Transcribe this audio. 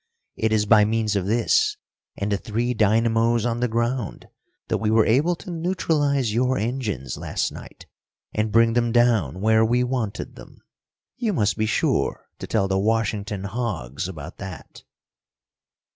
It is by means of this, and the three dynamos on the ground that we were able to neutralize your engines last night and bring them down where we wanted them. You must be sure to tell the Washington hogs about that."